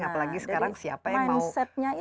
apalagi sekarang siapa yang mau